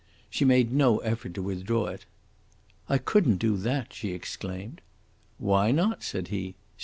She made no effort to withdraw it. "I couldn't do that," she exclaimed. "Why not?" said he.